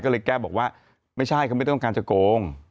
ก็เลยแก้บอกว่าไม่ใช่เขาไม่ต้องการจะโกง